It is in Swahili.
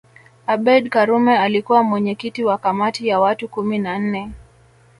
Abeid Karume alikuwa mwenyekiti wa kamati ya watu kumi na nne